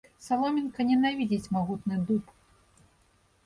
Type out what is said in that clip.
Саломінка ненавідзіць магутны дуб.